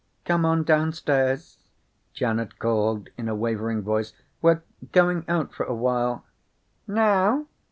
"Come on downstairs," Janet called in a wavering voice. "We're going out for awhile." "Now?"